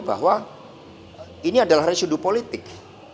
bahwa ini adalah residu politik